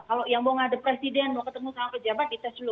kalau yang mau ngadep presiden mau ketemu sama pejabat dites dulu